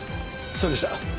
そうでした。